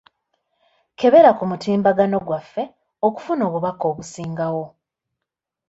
Kebera ku mutimbagano gwaffe okufuna obubaka obusingawo.